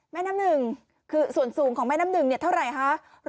แม่น้ำหนึ่งคือส่วนสูงของแม่น้ำหนึ่งเนี่ยเท่าไหร่คะ